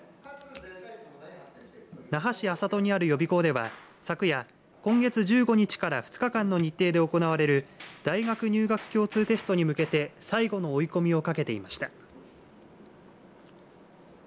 那覇市安里にある予備校では昨夜、今月１５日から２日間の日程で行われる大学入学共通テストに向けて最後の追い込みをかけていました。